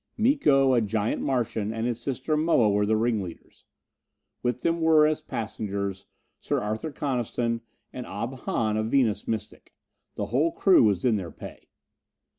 Miko, a giant Martian, and his sister, Moa, were the ringleaders. With them were, as passengers, Sir Arthur Coniston and Ob Hahn, a Venus mystic. The whole crew was in their pay.